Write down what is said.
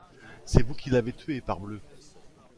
C’est vous qui l’avez tué, parbleu!...